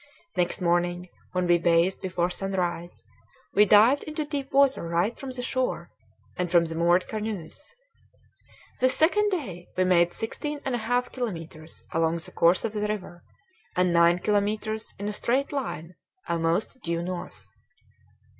Next morning, when we bathed before sunrise, we dived into deep water right from the shore, and from the moored canoes. This second day we made sixteen and a half kilometres along the course of the river, and nine kilometres in a straight line almost due north.